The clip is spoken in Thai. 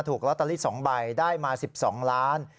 ถูกลอตเตอรี่๒ใบได้มา๑๒ล้าน